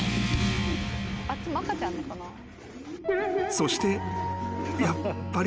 ［そして］